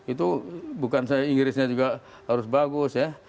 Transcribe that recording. itu bukan saya inggrisnya juga harus bagus ya